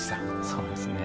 そうですね。